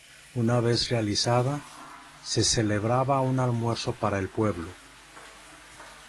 Una vez realizada, se celebraba un almuerzo para el pueblo.